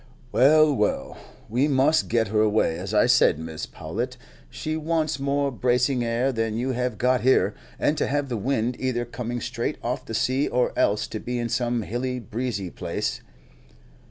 "Well, well, we must get her away, as I said, Mrs. Powlett. She wants more bracing air than you have got here, and to have the wind either coming straight off the sea or else to be in some hilly, breezy place."